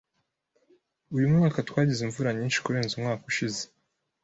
Uyu mwaka twagize imvura nyinshi kurenza umwaka ushize.